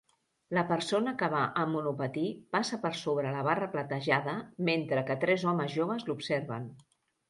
La persona que va amb monopatí passa per sobre la barra platejada mentre que tres homes joves l'observen.